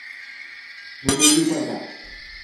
你無腰骨架